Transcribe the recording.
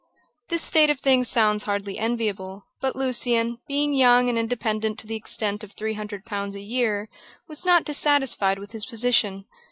This state of things sounds hardly enviable, but Lucian, being young and independent to the extent of £300 a year, was not dissatisfied with his position.